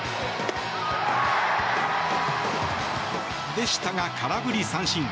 でしたが、空振り三振。